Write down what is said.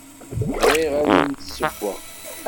Bɣiɣ ad am-d-ssewweɣ.